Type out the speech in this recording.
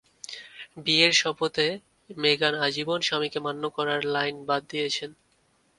বিয়ের শপথে মেগান আজীবন স্বামীকে মান্য করার লাইন বাদ দিয়েছেন।